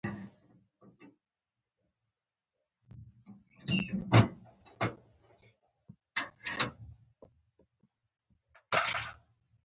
مېلمه د رحمت نښه ده.